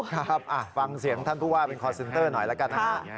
ครับฟังเสียงท่านทุกว่าเป็นคอร์เซ็นเตอร์หน่อยละกัน